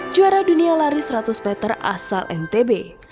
juara dunia lari seratus meter asal ntb